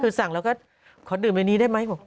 คือสั่งแล้วก็ขอดื่มในนี้ได้ไหม